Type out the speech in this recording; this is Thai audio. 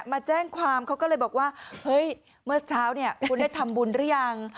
มาแจ้งความเขาก็เลยบอกว่าเฮ้ยเมื่อเช้าเนี่ยคุณได้ทำบุญหรือยัง